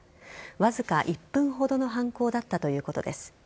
わずか１分ほどの犯行だったということです。